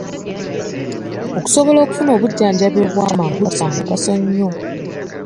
Okusobola okufuna obujjanjabi obw’amangu kya mugaso nnyo.